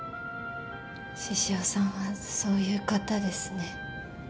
獅子雄さんはそういう方ですね。